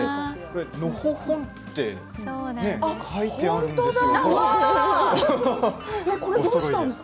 のほほんって書いてあるんです。